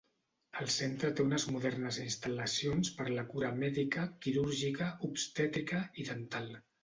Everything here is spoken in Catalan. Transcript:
El centre té unes modernes instal·lacions per la cura mèdica, quirúrgica, obstètrica i dental.